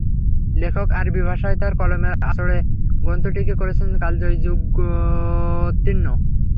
লেখক আরবী ভাষায় তাঁর কলমের আঁচড়ে গ্রন্থটিকে করেছেন কালজয়ী, যুগোত্তীর্ণ।